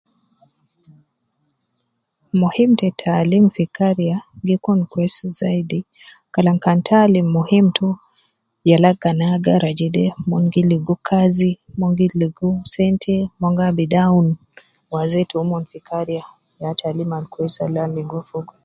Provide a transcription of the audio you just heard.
Muhim te taalim fi kariya gi kun kwesi zaidi kalam kan ta alim muhim to yala kan agara jede mon gi ligo kazi mon gi ligo sente mon gaabidu awunu waze taumon fi kariya ya taalim al kwes al ana ligo fogo.